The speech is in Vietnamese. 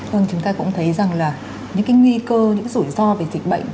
vâng chúng ta cũng thấy rằng là những cái nguy cơ những rủi ro về dịch bệnh